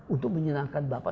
untuk menyenangkan bapak